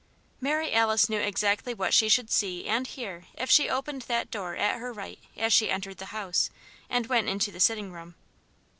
Mary Alice knew exactly what she should see and hear if she opened that door at her right as she entered the house, and went into the sitting room.